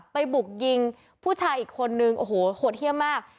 บุกยิงผู้ชายอีกคนนึงโอ้โหโหดเยี่ยมมาก